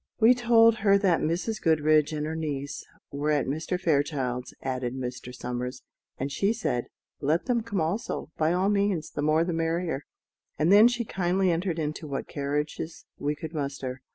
"We told her that Mrs. Goodriche and her niece were at Mr. Fairchild's," added Mr. Somers; "and she said, 'Let them come also, by all means; the more the merrier;' and then she kindly entered into what carriages we could muster.